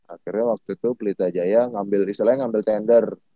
akhirnya waktu itu pelita jaya ngambil istilahnya ngambil tender